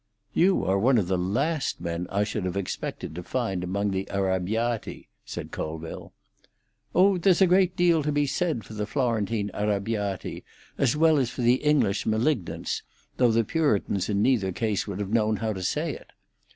"You are one of the last men I should have expected to find among the Arrabiati," said Colville. "Oh, there's a great deal to be said for the Florentine Arrabiati, as well as for the English Malignants, though the Puritans in neither case would have known how to say it.